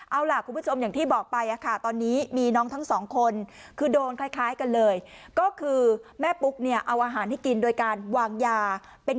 เอาล่ะคุณผู้ชมอย่างที่บอกไปค่ะตอนนี้มีน้องทั้ง๒คน